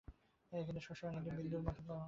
কিন্তু শশী অনেকদিন বিন্দুর কোনো খবর পায় নাই।